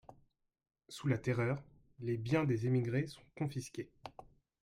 Sous la Terreur, les biens des émigrés sont confisqués.